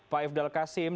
pak ifdal qasim